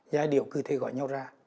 giai điệu cứ thế gọi nhau ra